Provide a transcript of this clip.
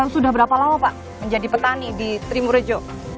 sudah berapa lama pak menjadi petani di trimurejo